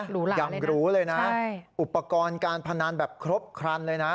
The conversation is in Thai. ยังหรูเลยนะอุปกรณ์การพนันแบบครบครันเลยนะ